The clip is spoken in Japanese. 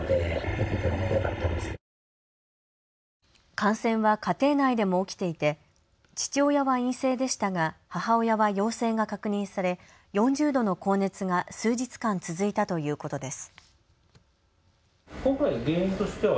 感染は家庭内でも起きていて父親は陰性でしたが母親は陽性が確認され４０度の高熱が数日間続いたということです。